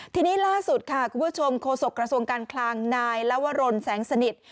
ทีนี้ล่าสุดค่ะคุณผู้ชมโฆษกระทรวงการคลังนายลวรนแสงสนิท